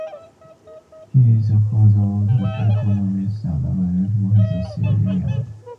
He is the father of the economist and academic Professor Cillian Ryan.